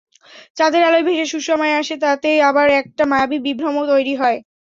চাঁদের আলোয় ভেসে সুসময় আসে, তাতে আবার একটা মায়াবী বিভ্রমও তৈরি হয়।